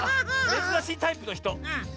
めずらしいタイプのひと。